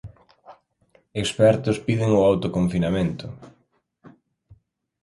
Expertos piden o autoconfinamento.